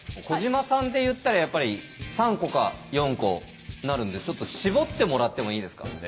小島さんっていったらやっぱり３個か４個なるんでちょっと絞ってもらってもいいですか。